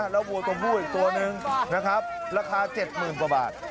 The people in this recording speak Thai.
แล้ววัวตัวผู้อีกตัวนึงนะครับราคา๗๐๐กว่าบาท